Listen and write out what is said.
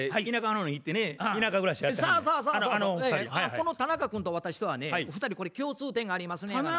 この田中君と私とはね２人これ共通点がありますのやがな。